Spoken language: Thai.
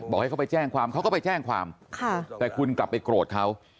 ให้เขาไปแจ้งความเขาก็ไปแจ้งความแต่คุณกลับไปโกรธเขา